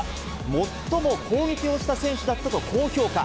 最も攻撃をした選手だったと高評価。